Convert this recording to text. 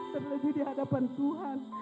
terlepas di hadapan tuhan